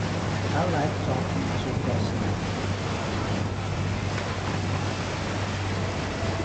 I liked talking to Gosnell.